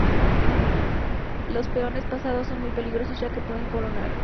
Los peones pasados son muy peligrosos ya que pueden coronar.